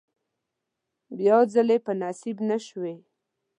بیا ځلې په نصیب نشوې.